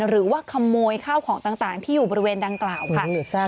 หรือว่าขโมยข้าวของต่างที่อยู่บริเวณดังกล่าวค่ะ